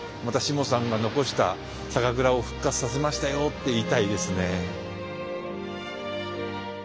またしもさんが残した酒蔵を復活させましたよって言いたいですね。